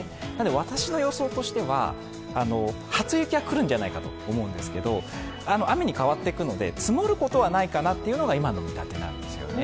私の予想としては、初雪は来るんじゃないかと思うんですけど、雨に変わっていくので積もることはないかなというのが今の見立てなんですね。